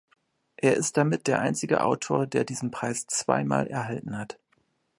Er ist damit der einzige Autor, der diesen Preis zweimal erhalten hat.